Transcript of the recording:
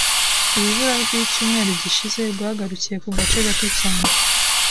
Urubura rwicyumweru gishize rwagarukiye ku gace gato cyane.